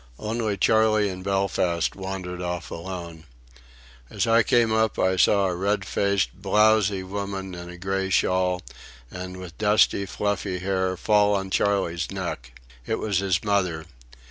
Only Charley and Belfast wandered off alone. As I came up I saw a red faced, blowsy woman, in a grey shawl, and with dusty, fluffy hair, fall on Charley's neck. It was his mother.